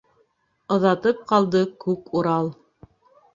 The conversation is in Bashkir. Оҙатып ҡалды күк Урал;